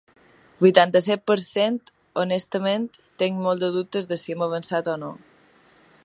Vuitanta-set per cent Honestament tenc molts dubtes de si hem avançat o no.